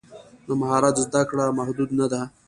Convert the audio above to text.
د مهارت زده کړه محدود نه ده.